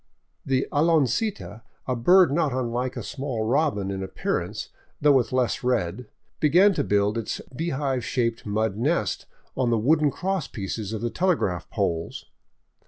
The aloncita, a bird not unlike a small robin in ap pearance, though with less red, began to build its beehive shaped mud nest on the wooden cross pieces of the telegraph poles.